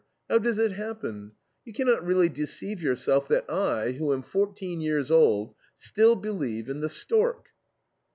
How does it happen? You cannot really deceive yourself that I, who am fourteen years old, still believe in the stork."